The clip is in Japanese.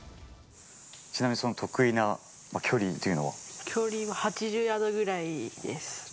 ちなみにその得意な距離とい距離は８０ヤードぐらいです。